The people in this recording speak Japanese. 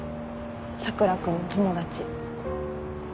佐倉君の友達。